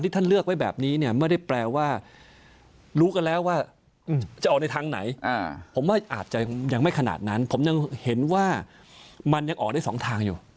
แต่ผมแบบว่าว่าจะออกในทางไหนผมว่าอาจยังไม่ขนาดนั้นผมยังเห็นว่ามันยังออกได้สองทางอยู่